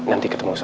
nanti ketemu besok